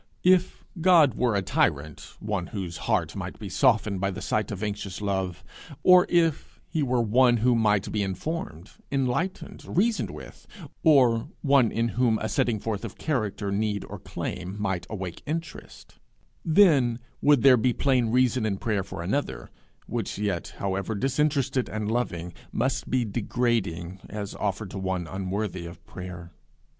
If God were a tyrant, one whose heart might be softened by the sight of anxious love; or if he were one who might be informed, enlightened, reasoned with; or one in whom a setting forth of character, need, or claim might awake interest; then would there be plain reason in prayer for another which yet, however disinterested and loving, must be degrading, as offered to one unworthy of prayer.